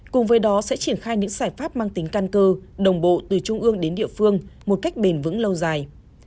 cùng với đó sẽ triển khai những giải pháp mang tính căn cơ đồng bộ từ trung ương đến địa phương một cách bền vững lâu dài